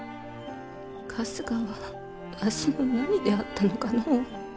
春日はわしの何であったのかの。